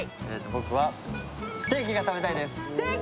僕はステーキが食べたいです。